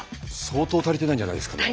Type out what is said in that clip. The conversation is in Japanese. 相当足りてないんじゃないですかね。